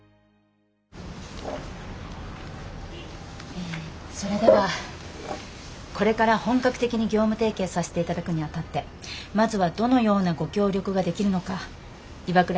えそれではこれから本格的に業務提携させていただくにあたってまずはどのようなご協力ができるのか岩倉と私でまとめてきました。